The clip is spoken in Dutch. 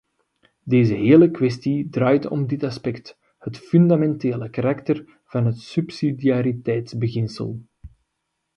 Deze hele kwestie draait om dit aspect, het fundamentele karakter van het subsidiariteitsbeginsel.